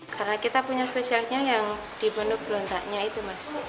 karena kita punya spesialnya yang di menu berontaknya itu mas